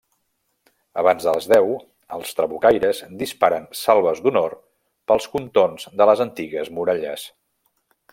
Abans de les deu, els Trabucaires disparen salves d'honor pels contorns de les antigues muralles.